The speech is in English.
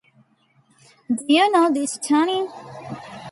Do you know this turning?